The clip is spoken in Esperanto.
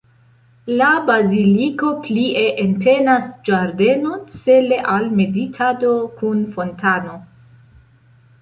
La baziliko plie entenas ĝardenon, cele al meditado, kun fontano.